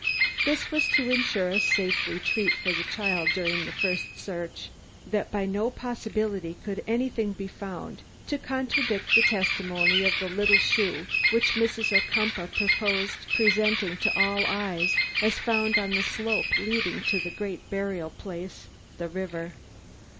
This was to insure such a safe retreat for the child during the first search, that by no possibility could anything be found to contradict the testimony of the little shoe which Mrs. Ocumpaugh purposed presenting to all eyes as found on the slope leading to that great burial place, the river.